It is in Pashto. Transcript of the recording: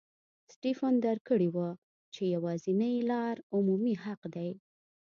سټېفن درک کړې وه چې یوازینۍ لار عمومي حق دی.